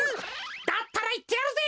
だったらいってやるぜ！